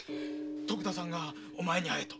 徳田さんがお前に会えと。